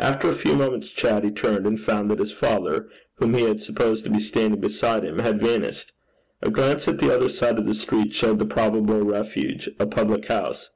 After a few moments' chat he turned, and found that his father, whom he had supposed to be standing beside him, had vanished. A glance at the other side of the street showed the probable refuge a public house.